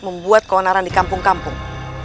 membuat keonaran di kampung kampung